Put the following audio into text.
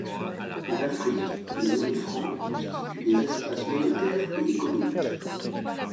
En Afrique, les zones franc constituent des espaces monétaires et économiques.